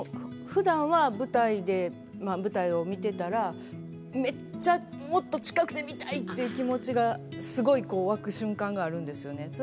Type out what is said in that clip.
ふだんは舞台でまあ舞台を見てたらめっちゃもっと近くで見たいっていう気持ちがすごい湧く瞬間があるんですよね。